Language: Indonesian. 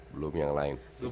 belum yang lain